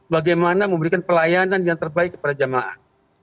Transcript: bagaimana memberikan pelayanan yang terbaik kepada jamaah